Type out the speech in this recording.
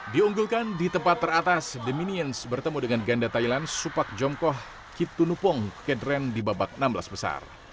diunggulkan di tempat teratas the minions bertemu dengan ganda thailand supak jongkoh kip tunupong ke dren di babak enam belas besar